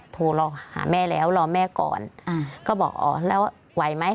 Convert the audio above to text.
โทรหาแม่แล้วรอแม่ก่อนก็บอกอ๋อแล้วไหวไหม